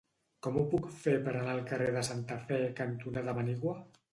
Com ho puc fer per anar al carrer Santa Fe cantonada Manigua?